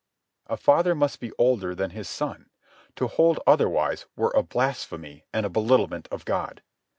A father must be older than his son. To hold otherwise were a blasphemy and a belittlement of God.